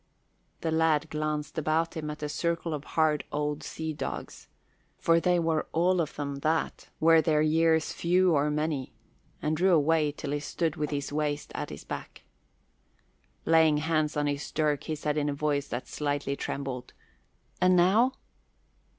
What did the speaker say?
The lad glanced about him at the circle of hard old sea dogs for they were all of them that, were their years few or many and drew away till he stood with the waist at his back. Laying hands on his dirk, he said in a voice that slightly trembled, "And now?"